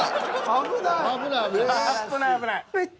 危ない危ない。